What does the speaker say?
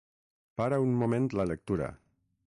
Para un moment la lectura.